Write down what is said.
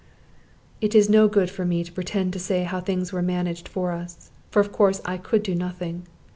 It is no good for me to pretend to say how things were managed for us, for of course I could do nothing.